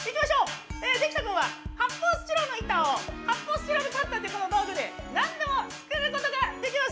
できたくんは発泡スチロールの板を発泡スチロールカッターでなんでも作ることができます。